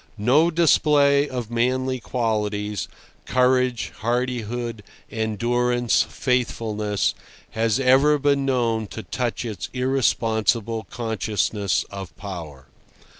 No display of manly qualities—courage, hardihood, endurance, faithfulness—has ever been known to touch its irresponsible consciousness of power.